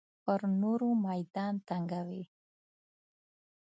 پر نورو میدان تنګوي.